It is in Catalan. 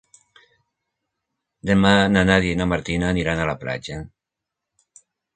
Demà na Nàdia i na Martina aniran a la platja.